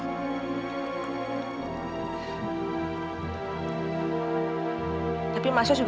kalau transpirasi shop raptor